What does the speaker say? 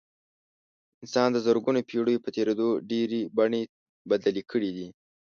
انسان د زرګونو پېړیو په تېرېدو ډېرې بڼې بدلې کړې دي.